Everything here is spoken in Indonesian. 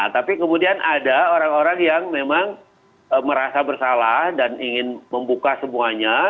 tapi kemudian ada orang orang yang memang merasa bersalah dan ingin membuka semuanya